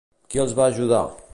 Qui els va ajudar?